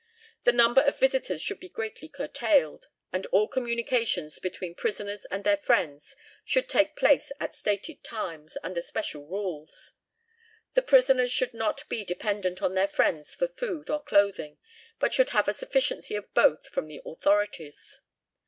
The number of visitors should be greatly curtailed, and all communications between prisoners and their friends should take place at stated times, under special rules. The prisoners should not be dependent on their friends for food or clothing, but should have a sufficiency of both from the authorities.